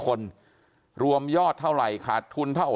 ความปลอดภัยของนายอภิรักษ์และครอบครัวด้วยซ้ำ